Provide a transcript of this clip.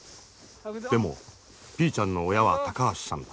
でもピーちゃんの親は高橋さんだ。